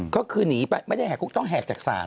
ก็คือหนีไปไม่ได้แหกคุกต้องแหกจากศาล